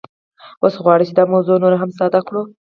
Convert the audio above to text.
اوس غواړو چې دا موضوع نوره هم ساده کړو